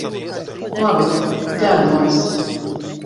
Labi. Ģērbonis.